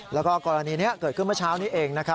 แล้วก็กรณีนี้เกิดขึ้นเมื่อเช้านี้เองนะครับ